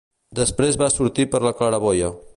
Després va sortir per la claraboia.